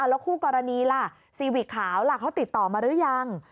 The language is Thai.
แล้วคู่กรณีล่ะซีวิกขาวล่ะเขาติดต่อมาหรือยัง